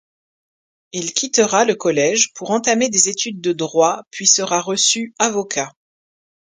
Il quittera le collège pour entamer des études de Droit puis sera reçu avocat.